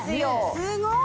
すごい！